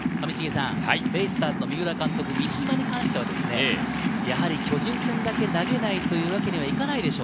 ベイスターズの三浦監督、三嶋に関してやはり巨人戦だけ投げないというわけにはいかないでしょ。